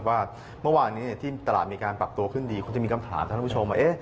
ว่าเมื่อวานนี้ที่ตลาดมีการปรับตัวขึ้นดีคงจะมีคำถามท่านผู้ชมว่า